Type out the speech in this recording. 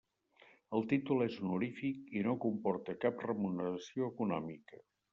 El títol és honorífic i no comporta cap remuneració econòmica.